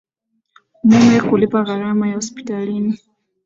Mume kulipa gharama ya hospitalini